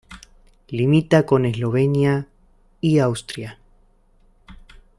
Limita con Eslovenia y Austria.